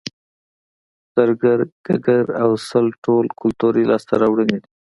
زرګر ګګر او سل ټول کولتوري لاسته راوړنې دي